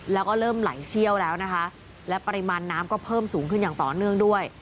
แล้วก็เริ่มไหลเชี่ยวแล้วนะคะและปริมาณน้ำก็เพิ่มสูงขึ้นอย่างต่อเนื่องด้วย